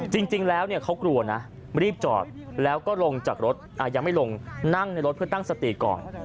จริงแล้วเขากลัวนะรีบจอดแล้วก็ลงจากรถยังไม่ลงนั่งในรถเพื่อตั้งสติก่อน